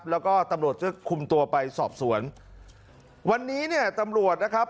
แล้วก็ตำรวจจะคุมตัวไปสอบสวนวันนี้เนี่ยตำรวจนะครับ